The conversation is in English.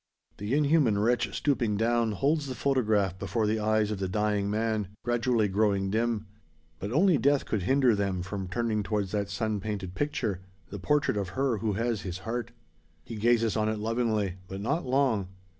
The inhuman wretch stooping down, holds the photograph before the eyes of the dying man, gradually growing dim. But only death could hinder them from turning towards that sun painted picture the portrait of her who has his heart. He gazes on it lovingly, but not long.